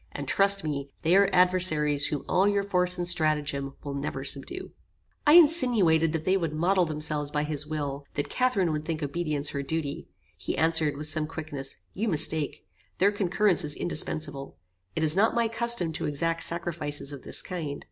And trust me, they are adversaries whom all your force and stratagem will never subdue." I insinuated that they would model themselves by his will: that Catharine would think obedience her duty. He answered, with some quickness, "You mistake. Their concurrence is indispensable. It is not my custom to exact sacrifices of this kind.